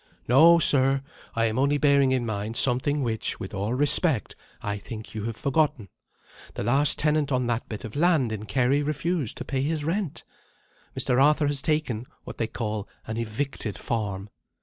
"No, sir. I am only bearing in mind something which with all respect I think you have forgotten. The last tenant on that bit of land in Kerry refused to pay his rent. Mr. Arthur has taken what they call an evicted farm.